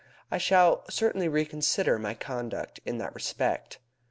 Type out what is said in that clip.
"I shall certainly reconsider my conduct in that respect."